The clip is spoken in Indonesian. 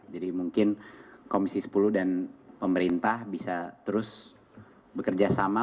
jadi mungkin komisi sepuluh dan pemerintah bisa terus bekerjasama